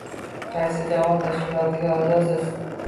Qaysi jamoat tashkilotiga a’zosiz?